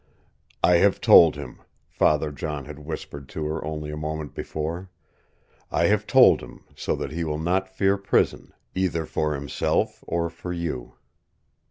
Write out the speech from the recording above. "I have told him," Father John had whispered to her only a moment before. "I have told him, so that he will not fear prison either for himself or for you."